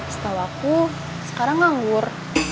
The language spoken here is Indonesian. setahu aku sekarang nganggur